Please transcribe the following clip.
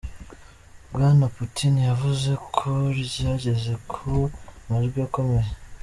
Bwana Putin yavuze ko ryageze ku "majwi akomeye".